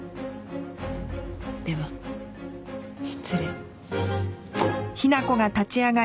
では失礼。